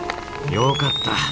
よかった。